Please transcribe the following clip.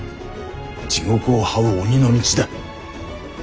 地獄をはう鬼の道だ。